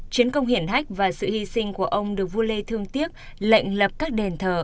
chiến công hiển hách và sự hy sinh của ông được vua lê thương tiếc lệnh lập các đền thờ